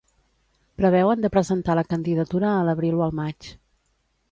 Preveuen de presentar la candidatura a l’abril o al maig.